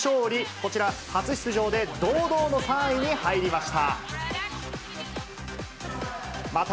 こちら、初出場で堂々の３位に入りました。